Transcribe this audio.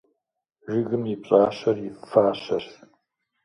Жыгым и пщӀащэр и фащэщ.